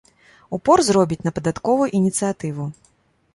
Упор зробіць на падатковую ініцыятыву.